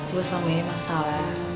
gue selama ini mah salah